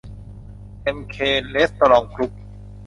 เอ็มเค เรสโตรองต์ กรุ๊ป